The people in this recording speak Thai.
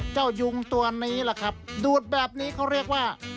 ยุงตัวนี้ล่ะครับดูดแบบนี้เขาเรียกว่า